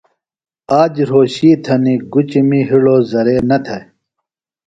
آج رھوشی تھنیۡ گُچیۡ می ہِڑوۡ زرے نہ تھے۔